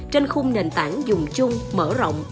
trên khung nền tảng dùng chung mở rộng